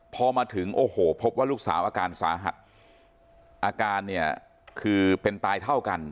พอมาถึงโอ้โหพบว่าลูกสาวอาการสาหัสอาการเนี่ยคือเป็นตายเท่ากัน